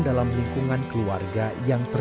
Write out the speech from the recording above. yang penting hasil keringatnya